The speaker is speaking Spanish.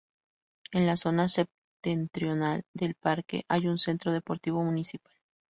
En la zona septentrional del parque hay un centro deportivo municipal.